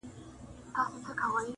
• ویل زه مي خپل پاچا یم را لېږلی -